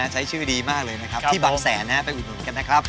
ใช้ชื่อดีมากเลยนะครับที่บำแสนนะครับไปอุดหมดกันนะครับ